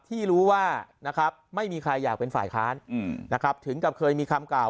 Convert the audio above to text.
ที่รู้ว่านะครับไม่มีใครอยากเป็นฝ่ายค้านนะครับถึงกับเคยมีคำกล่าว